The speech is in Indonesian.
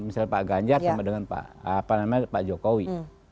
misalnya pak ganjar sama dengan pak jokowi